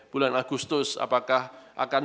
bulan agustus apakah akan